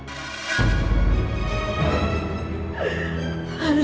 hasil rumah lagi